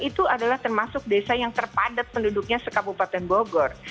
itu adalah termasuk desa yang terpadat penduduknya sekabupaten bogor